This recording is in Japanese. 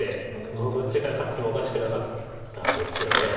もうどっちが勝ってもおかしくなかったですよね。